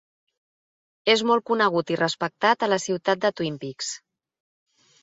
És molt conegut i respectat a la ciutat de Twin Peaks.